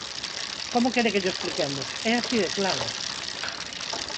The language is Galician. ¿Como quere que llo expliquemos? É así de claro.